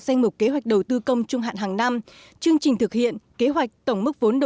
danh mục kế hoạch đầu tư công trung hạn hàng năm chương trình thực hiện kế hoạch tổng mức vốn